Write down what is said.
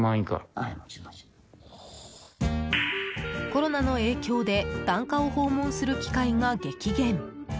コロナの影響で檀家を訪問する機会が激減。